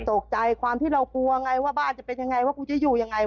ตกใจความที่เรากลัวไงว่าบ้านจะเป็นยังไงว่ากูจะอยู่ยังไง